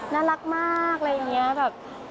น่ารักมากอะไรอย่างนี้แบบ